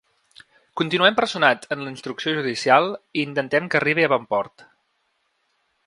Continuem personats en la instrucció judicial i intentem que arribe a bon port.